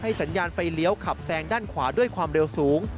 สัญญาณไฟเลี้ยวขับแซงด้านขวาด้วยความเร็วสูง